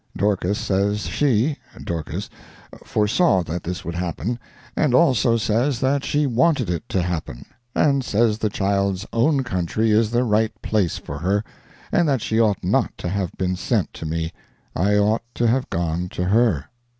Dorcas says she (Dorcas) foresaw that this would happen; and also says that she wanted it to happen, and says the child's own country is the right place for her, and that she ought not to have been sent to me, I ought to have gone to her.